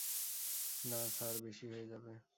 না, স্যার, বেশি হয়ে যাবে।